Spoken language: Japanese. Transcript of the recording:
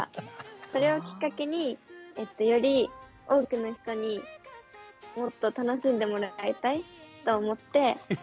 それをきっかけにより多くの人にもっと楽しんでもらいたいと思って。